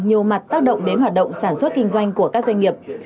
nhiều mặt tác động đến hoạt động sản xuất kinh doanh của các doanh nghiệp